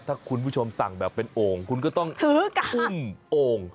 ถ้าคุณผู้ชมสั่งแบบเป็นโอ่งคุณก็ต้องถือกันโอ่ง